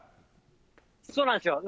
そうなんですよ。